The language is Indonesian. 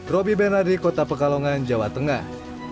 roby bernari kota pekalongan jawa tengah